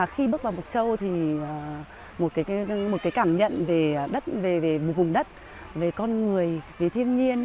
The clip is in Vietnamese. khi bước vào mộc châu thì một cảm nhận về vùng đất về con người về thiên nhiên